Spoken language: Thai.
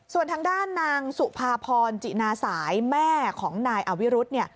ส่วนทางด้านนางสุภาพรจินาสายแม่ของนายอวิรุธ